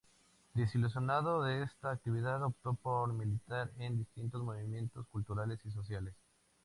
Desilusionado de esta actividad optó por militar en distintos movimientos culturales y sociales.